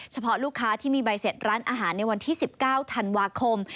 เฉพาะลูกค้าที่มีใบเสร็จร้านอาหารในวันที่๑๙ธันวาคม